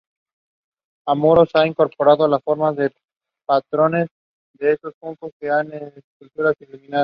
Amorós ha incorporado las formas y patrones de estos juncos en sus esculturas iluminadas.